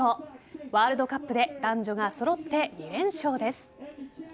ワールドカップで男女が揃って２連勝です。